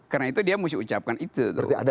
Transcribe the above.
karena itu dia mesti ucapkan itu